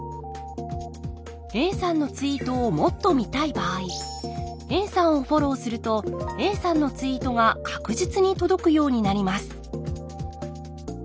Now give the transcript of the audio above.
Ａさんのツイートをもっと見たい場合ＡさんをフォローするとＡさんのツイートが確実に届くようになります